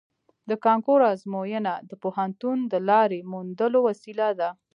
د کانکور ازموینه د پوهنتون د لارې موندلو وسیله ده